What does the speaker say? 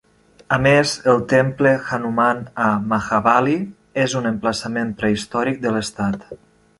A més, el temple Hanuman a Mahabali és un emplaçament prehistòric de l'Estat.